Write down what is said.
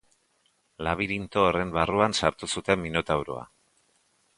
Labirinto horren barruan sartu zuten Minotauroa.